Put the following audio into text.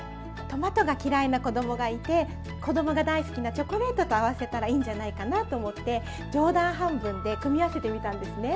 トマトが嫌いな子供がいて子供が大好きなチョコレートと合わせたらいいんじゃないかなと思って冗談半分で組み合わせてみたんですね。